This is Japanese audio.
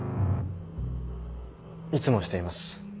いつもしています。